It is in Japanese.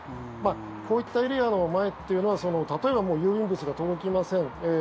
こういったエリアの前というのは例えばもう郵便物が届きません。